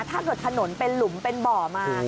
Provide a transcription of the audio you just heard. ถ้าเกิดถนนเป็นหลุมเป็นบ่อมา